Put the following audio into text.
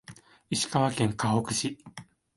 石川県かほく市